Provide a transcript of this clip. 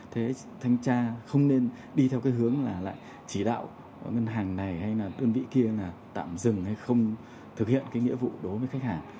thế thanh tra không nên đi theo cái hướng là lại chỉ đạo ngân hàng này hay là đơn vị kia là tạm dừng hay không thực hiện cái nghĩa vụ đối với khách hàng